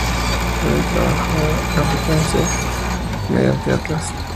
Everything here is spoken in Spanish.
Puede trabajar a frecuencias medianamente altas.